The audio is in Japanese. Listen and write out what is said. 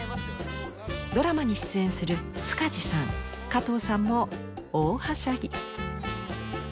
ドラマに出演する塚地さん加藤さんも大はしゃぎ！